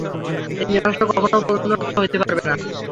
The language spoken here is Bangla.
এই মীমাংসা কখনই পূর্ণসত্য হইতে পারে না।